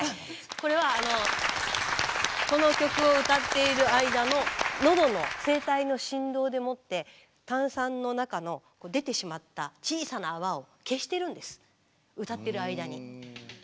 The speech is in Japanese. これはこの曲を歌っている間ののどの声帯の振動でもって炭酸の中の出てしまった小さな泡を消してるんです歌ってる間に。